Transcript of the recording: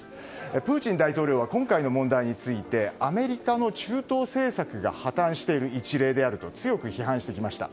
プーチン大統領は今回の問題についてアメリカの中東政策が破綻している一例であると強く批判してきました。